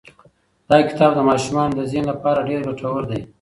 دا کتاب د ماشومانو د ذهن لپاره ډېر ګټور دی.